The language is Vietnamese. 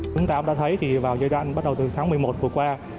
chúng ta đã thấy vào giai đoạn bắt đầu từ tháng một mươi một vừa qua